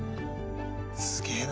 すげえな。